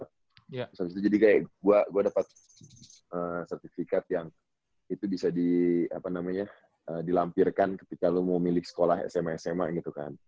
terus habis itu jadi kayak gue dapat sertifikat yang itu bisa dilampirkan ketika lo mau milih sekolah sma sma gitu kan